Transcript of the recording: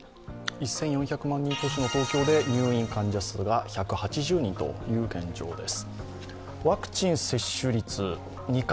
１４００万人都市の東京で入院患者数が１８０人という現状です。